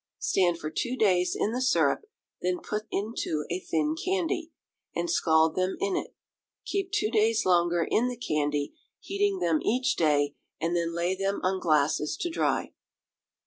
Stand for two days in the syrup, then put into a thin candy, and scald them in it. Keep two days longer in the candy, heating them each day, and then lay them on glasses to dry.